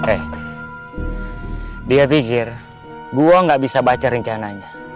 eh dia pikir gue gak bisa baca rencananya